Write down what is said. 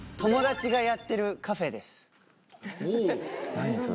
何それ。